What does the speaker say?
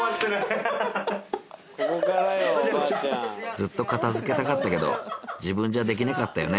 ずっと片づけたかったけど自分じゃできなかったよね